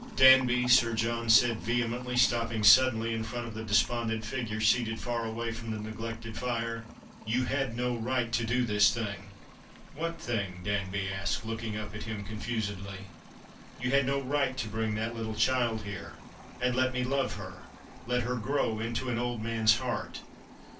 "Danby," Sir John said vehemently, stopping suddenly in front of the despondent figure seated far away from the neglected fire, " you had no right to do this thing." " What thing ?" Danby asked, looking up at him confusedly. " You had no right to bring that little child here — and 228 The Christmas Hirelings. let me love her — let her grow into an old man's heart.